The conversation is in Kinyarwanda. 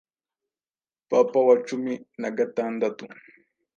papa wa cumi nagatandatu